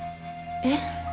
えっ？